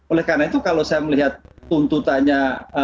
oleh karena itu kalau saya melihat tuntutannya